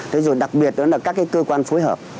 thế rồi đặc biệt đó là các cái cơ quan phối hợp